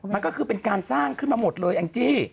มันก็คือเป็นการสร้างขึ้นมาหมดเลยแองจี้